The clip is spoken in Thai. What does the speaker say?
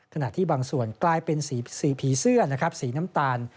ขณะที่บางส่วนกลายเป็นสีผีเสื้อนะครับสีน้ำตาล